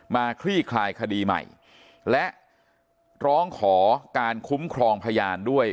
คลี่คลายคดีใหม่และร้องขอการคุ้มครองพยานด้วย